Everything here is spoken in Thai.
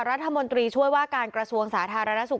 รัฐมนตรีช่วยว่าการกระทรวงสาธารณสุข